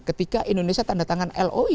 ketika indonesia tanda tangan loe